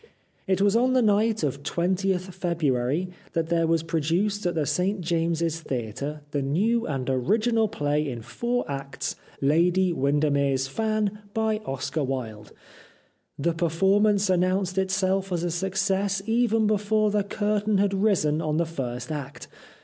It was on the night of 20th February that there was pro duced at the St James's theatre the new and original play in four acts, " Lady Winder mere's Fan," by Oscar Wilde. The performance announced itself as a success even before the curtain had risen on the first act.